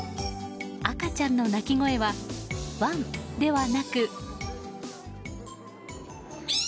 赤ちゃんの鳴き声はワン！ではなく。